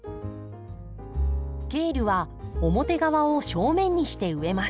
ケールは表側を正面にして植えます。